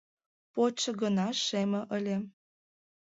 Почшо гына шеме ыле.